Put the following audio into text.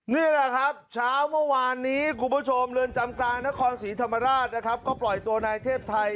นี่แหละครับเช้าเมื่อวานนี้